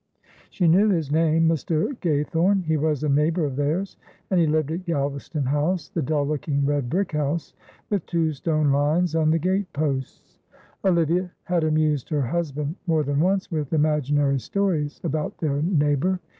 She knew his name Mr. Gaythorne he was a neighbour of theirs, and he lived at Galvaston House, the dull looking red brick house, with two stone lions on the gate posts. Olivia had amused her husband more than once with imaginary stories about their neighbour.